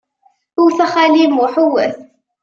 Wwet a xali Muḥ, wwet!